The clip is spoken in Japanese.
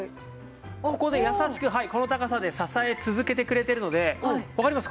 ここで優しくこの高さで支え続けてくれてるのでわかります？